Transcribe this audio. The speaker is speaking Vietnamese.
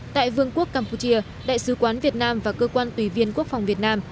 tại vương quốc campuchia đại sứ quán việt nam và cơ quan tùy viên quốc phòng việt nam